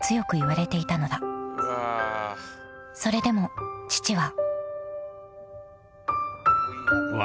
［それでも父は］